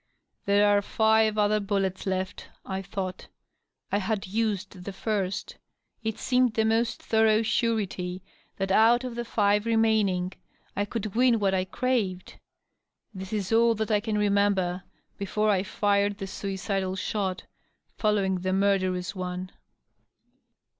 * There are five other bullets left/ I thought. .. I had used the first. .. It seemed the most thorough surety that out of the five remaining I could win what I craved. .. This is all that I can remember before I fired the suicidal shot^ following the murderous one.